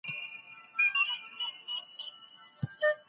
نیک کار ته نور هم وهڅوئ.